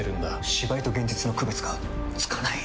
芝居と現実の区別がつかない！